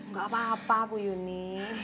gak apa apa bu yuni